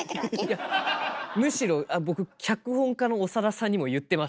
いやむしろ僕脚本家の長田さんにも言ってます。